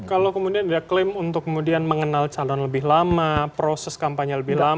kalau kemudian ada klaim untuk kemudian mengenal calon lebih lama proses kampanye lebih lama